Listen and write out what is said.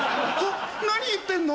何言ってんの？